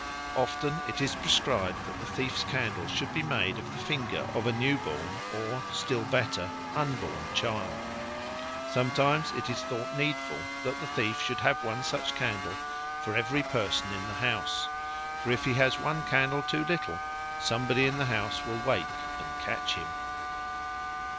Often it is prescribed that the thief's candle should be made of the finger of a new born or, still better, unborn child; sometimes it is thought needful that the thief should have one such candle for every person in the house, for if he has one candle too little somebody in the house will wake and catch him.